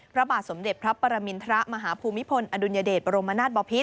พระบาทสมเด็จพระปรมินทรมาฮภูมิพลอดุลยเดชบรมนาศบอพิษ